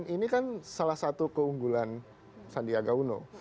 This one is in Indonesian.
dan ini kan salah satu keunggulan sandiaga uno